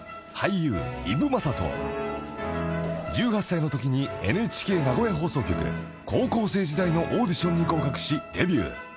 ［１８歳のときにＮＨＫ名古屋放送局『高校生時代』のオーディションに合格しデビュー］